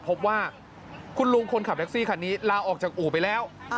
พบว่าคุณลุงคนขับแท็กซี่คันนี้ลาออกจากอู่ไปแล้ว